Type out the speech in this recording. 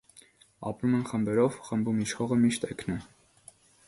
Ապրում են խմբերով, խմբում իշխողը միշտ էգն է։